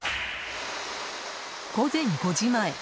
午前５時前。